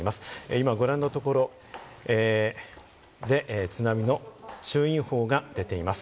今ご覧のところで津波の注意報が出ています。